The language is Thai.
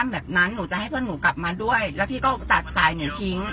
แล้วก็ให้หนูกลับกลับบ้านแล้วพี่ก็ตัดสายหนุนทรีง